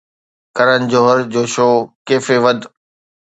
ڪرن جوهر جو show Koffee with